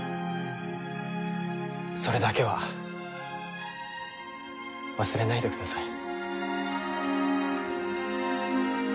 それだけは忘れないでください。